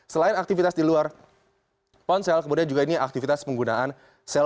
selain aktivitas di luar ponsel kemudian juga ini aktivitas penggunaan cellphone atau telpon seluler